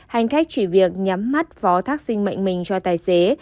hành khách chỉ việc nhắm mắt phó thác sinh mệnh mình cho tài xế